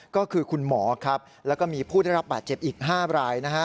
ก็คือคุณหมอครับแล้วก็มีผู้ได้รับบาดเจ็บอีก๕รายนะฮะ